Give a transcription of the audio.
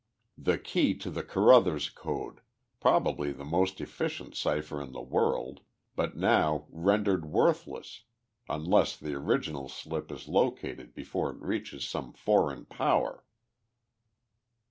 "The key to the Carruthers Code, probably the most efficient cipher in the world, but now rendered worthless unless the original slip is located before it reaches some foreign power."